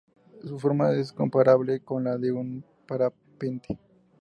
Su forma es comparable con la de un parapente.